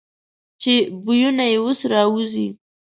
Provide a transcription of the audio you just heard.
چې بویونه یې اوس را وځي.